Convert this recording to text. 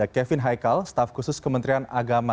kevin haikal staf khusus kementerian agama